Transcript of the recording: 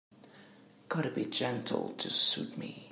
Gotta be gentle to suit me.